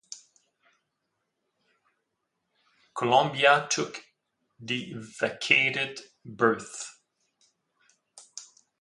Colombia took the vacated berth.